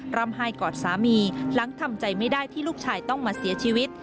ร่ำไห้กอดสามีหลังทำใจไม่ได้ที่ลูกชายต้องมาเสียชีวิต